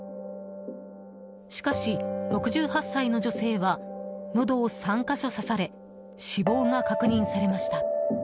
しかし、６８歳の女性はのどを３か所刺され死亡が確認されました。